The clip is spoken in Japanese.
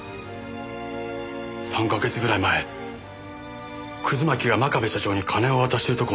３か月ぐらい前葛巻が真壁社長に金を渡してるとこを見たんだ。